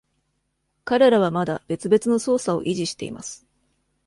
彼らはまだ別々の操作を維持しています。